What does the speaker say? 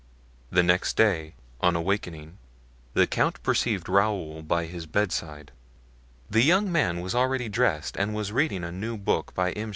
The next day, on awaking, the count perceived Raoul by his bedside. The young man was already dressed and was reading a new book by M.